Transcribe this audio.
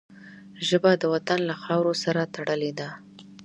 ژبه د وطن له خاورو سره تړلې ده